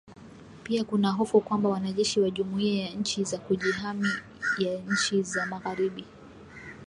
Pia kuna hofu kwamba wanajeshi wa jumuia ya nchi za kujihami ya nchi za Magharibi